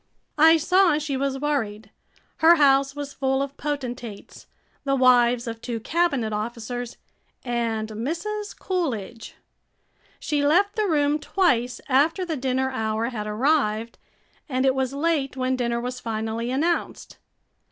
I saw she was worried. Her house was full of potentates, the wives of two cabinet officers, and Mrs. Coolidge. She left the room twice after the dinner hour had arrived, and it was late when dinner was finally announced.